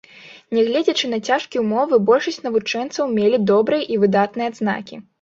Нягледзячы на цяжкія ўмовы, большасць навучэнцаў мелі добрыя і выдатныя адзнакі.